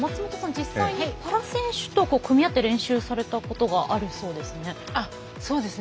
実際にパラ選手と組み合って練習されたことがあるそうですね。